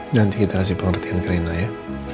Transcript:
nanti kita kasih pengertian ke reina ya